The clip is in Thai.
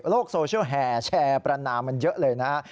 โซเชียลแห่แชร์ประนามมันเยอะเลยนะฮะ